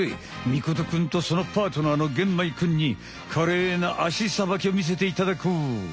尊くんとそのパートナーの玄米くんにかれいな足さばきを見せていただこう。